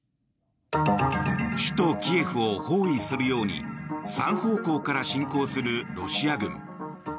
首都キエフを包囲するように３方向から侵攻するロシア軍。